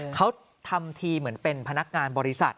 เขาทำทีเหมือนเป็นพนักงานบริษัท